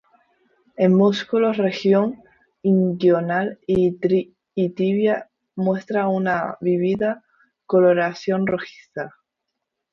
En muslos, región inguinal y tibia muestra una vívida coloración rojiza.